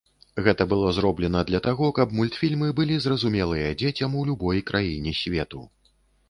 Гэта было зроблена для таго, каб мультфільмы былі зразумелыя дзецям у любой краіне свету.